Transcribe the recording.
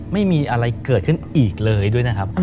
ไม่มีอะไรเกิดขึ้นอีกเลยด้วยนะครับ